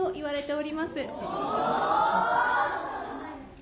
お！